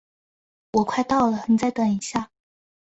我快到了，你再等一下。